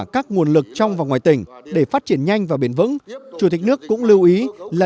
các nguồn lực trong và ngoài tỉnh để phát triển nhanh và bền vững chủ tịch nước cũng lưu ý là